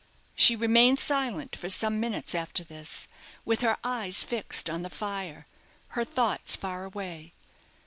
She remained silent for some minutes after this, with her eyes fixed on the fire, her thoughts far away.